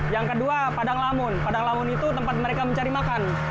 yang kedua padang lamun padang lamun itu tempat mereka mencari makan